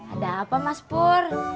ada apa mas pur